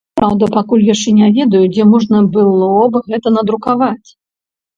Праўда, пакуль яшчэ не ведаю, дзе можна было б гэта надрукаваць.